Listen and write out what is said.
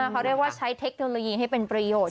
เขาเรียกว่าใช้เทคโนโลยีให้เป็นประโยชน